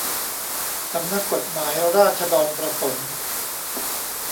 สำนักกฎหมายราษฏรประสงค์